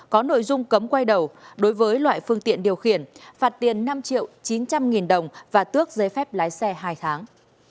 có nội dung cấm quay đầu đối với loại phương tiện điều khiển phạt tiền năm triệu chín trăm linh nghìn đồng và tước giấy phép lái xe hai tháng